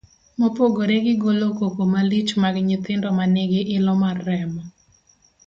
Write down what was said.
Mopogore gi golo koko malich mag nyithindo ma nigi ilo mar remo